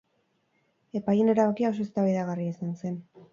Epaileen erabakia oso eztabaidagarria izan zen.